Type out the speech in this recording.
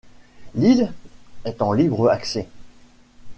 L'île est en libre accès.